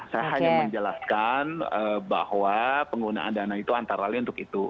saya hanya menjelaskan bahwa penggunaan dana itu antara lain untuk itu